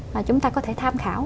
và chúng ta có thể tham khảo